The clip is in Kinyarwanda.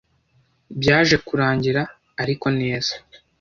Byaje kurangira ariko neza